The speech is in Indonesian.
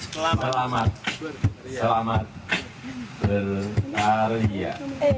selamat selamat berharian